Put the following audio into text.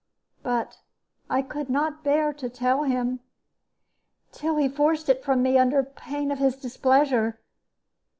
But I could not bear to tell him, till he forced it from me under pain of his displeasure.